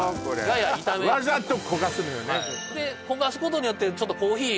はいで焦がすことによってちょっとコーヒー